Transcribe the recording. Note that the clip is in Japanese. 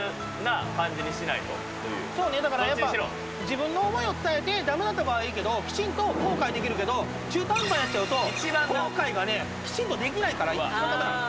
そうねだからやっぱ自分の思いを伝えてダメだった場合はいいけどきちんと後悔できるけど中途半端になっちゃうと後悔がねきちんとできないから一番ダメなの。